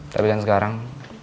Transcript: tapi kan sekarang